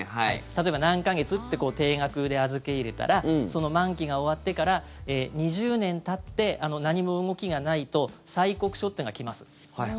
例えば、何か月って定額で預け入れたらその満期が終わってから２０年たって何も動きがないと催告書っていうのが来ます。